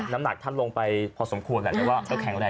น้ำหนักท่านลงไปพอสมควร